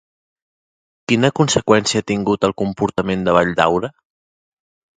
Quina conseqüència ha tingut el comportament de Valldaura?